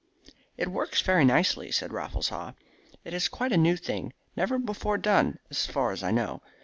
"It works very nicely," said Raffles Haw. "It is quite a new thing never before done, as far as I know.